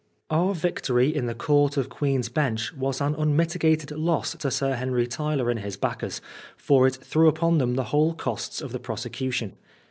Our victory in the Court of Queen's Bench was an unmitigated loss to Sir Henry Tyler and his backers, for it tSirew upon them the whole costs of the prosecu tion.